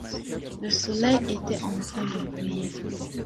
Le soleil était en train de briller.